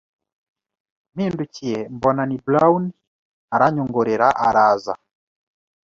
mpindukiye mbona ni Brown aranyongorera araza